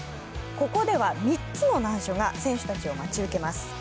ここでは、３つの難所が選手たちを待ち受けます。